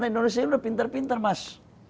indonesia ini sudah pintar pintar mas